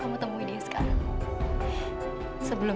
ketika sewang kembali ke rumah berpengalaman